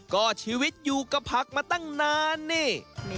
ก็ชีวิตอยู่กับผักมาตั้งนานนี่